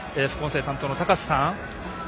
副音声担当の高瀬さん。